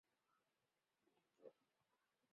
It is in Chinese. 多斑凯基介为真花介科凯基介属下的一个种。